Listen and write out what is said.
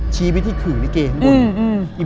ชี้ไปที่ขื่อลิเกข้างบน